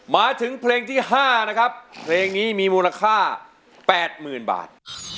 มาถึงเพลงที่๕นะครับเพลงนี้มีมูลค่า๘๐๐๐บาท